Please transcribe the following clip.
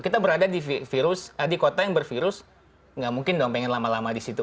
kita berada di virus di kota yang bervirus nggak mungkin dong pengen lama lama di situ